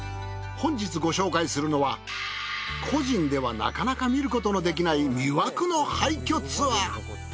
本日ご紹介するのは個人ではなかなか見ることのできない魅惑の廃墟ツアー。